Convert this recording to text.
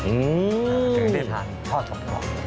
อื้อจนก็ได้ทานทอดสดกรอบ